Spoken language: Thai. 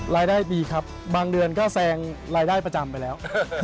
รายได้ดีครับบางเดือนก็แซงรายได้ประจำไปแล้ว